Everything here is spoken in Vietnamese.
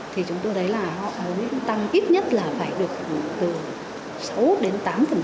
thì chúng tôi thấy là họ mới tăng ít nhất là phải được từ sáu đến tám